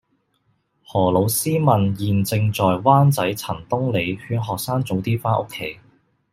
何老師問現正在灣仔陳東里勸學生早啲返屋企